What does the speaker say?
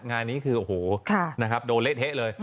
งานนี้คือโอ้โหนะครับโดนเละเทะเลย